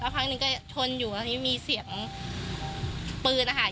แล้วครั้งนึงก็ชนอยู่แล้วทีนี้มีเสียงปืนอ่ะค่ะ